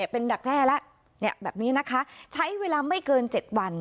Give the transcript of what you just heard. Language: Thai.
เป็นดักแร่แล้วแบบนี้นะคะใช้เวลาไม่เกิน๗วัน